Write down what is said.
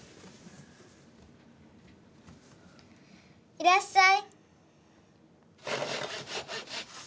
いらっしゃい。